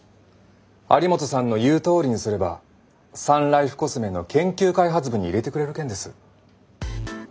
有本さんの言うとおりにすればサンライフコスメの研究開発部に入れてくれる件です。